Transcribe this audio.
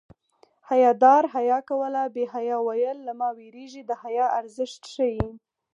حیادار حیا کوله بې حیا ویل له ما وېرېږي د حیا ارزښت ښيي